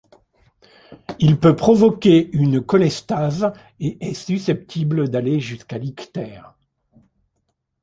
Il peut provoquer une cholestase et est susceptible d'aller jusqu'à l'ictère.